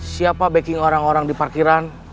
siapa backing orang orang di parkiran